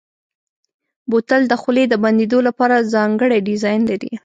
بوتل د خولې د بندېدو لپاره ځانګړی ډیزاین لري.